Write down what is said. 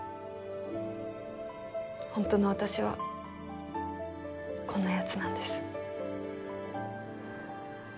本当の私はこんな奴なんです。